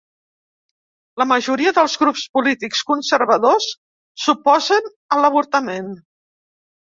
La majoria dels grups polítics conservadors s'oposen a l'avortament.